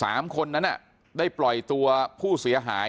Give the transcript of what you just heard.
สามคนนั้นอ่ะได้ปล่อยตัวผู้เสียหาย